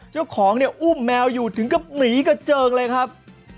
เจ้าของเนี่ยอุ้มแมวอยู่ถึงกับหนีกระเจิงเลยครับ